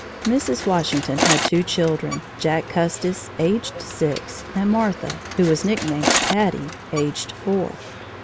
Mrs. Washington had two children, Jack Custis, aged six, and Martha, who was nicknamed Patty, aged four.